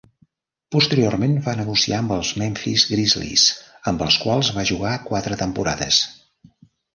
Posteriorment va negociar amb els Memphis Grizzlies, amb els quals va jugar quatre temporades.